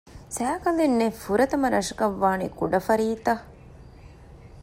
ސައިކަލެއް ނެތް ފުރަތަމަ ރަށަކަށް ވާނީ ކުޑަފަރީތަ؟